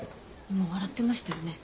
今笑ってましたよね。